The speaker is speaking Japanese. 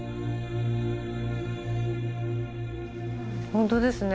ほんとですね。